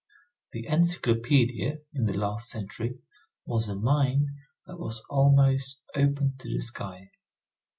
The Encyclopedia, in the last century, was a mine that was almost open to the sky.